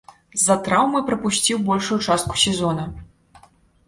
З-за траўмы прапусціў большую частку сезона.